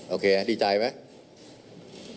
โอเคดีใจไหม